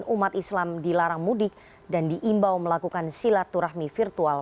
umat islam dilarang mudik dan diimbau melakukan silaturahmi virtual